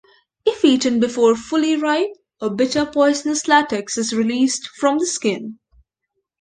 If eaten before fully ripe, a bitter, poisonous latex is released from the skin.